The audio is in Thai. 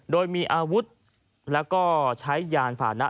โดยมีอาวุธแล้วก็ใช้ยานผ่านะ